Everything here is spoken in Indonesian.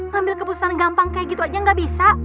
ngambil keputusan gampang kayak gitu aja gak bisa